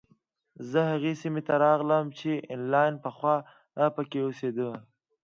زه هغې سیمې ته راغلم چې انیلا پخوا پکې اوسېده